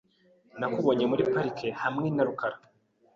Nakubonye muri parike hamwe na rukara .